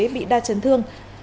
bị đa chấn thương